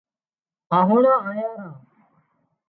آنهُوڙان آيان ران